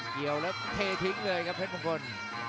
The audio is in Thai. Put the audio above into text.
เกี่ยวแล้วเททิ้งเลยครับเพชรมงคล